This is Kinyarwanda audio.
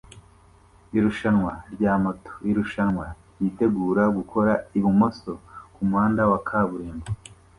Irushanwa rya moto irushanwa ryitegura gukora ibumoso kumuhanda wa kaburimbo